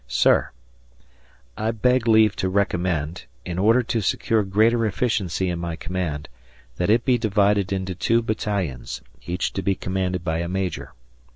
Sir: I beg leave to recommend, in order to secure greater efficiency in my command, that it be divided into two battalions, each to be commanded by a Major.